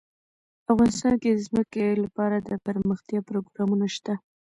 افغانستان کې د ځمکه لپاره دپرمختیا پروګرامونه شته.